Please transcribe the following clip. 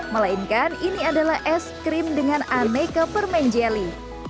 melainkan ini adalah es krim dengan aneka permen jeli